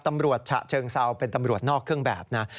ฉะเชิงเซาเป็นตำรวจนอกเครื่องแบบนะ